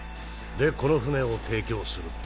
でこの船を提供すると。